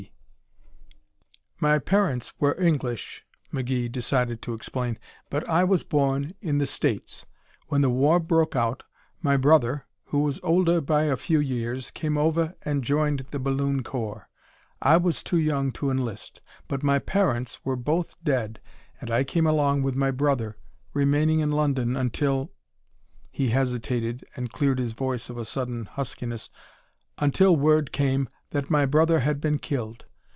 F.C. "My parents were English," McGee decided to explain, "but I was born in the States. When the war broke out, my brother, who was older by a few years, came over and joined the balloon corps. I was too young to enlist, but my parents were both dead and I came along with my brother, remaining in London until " he hesitated and cleared his voice of a sudden huskiness, "until word came that my brother had been killed.